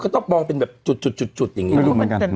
ก็ต้องมองเป็นแบบจุดจุดจุดอย่างเงี้ยไม่รู้เหมือนกัน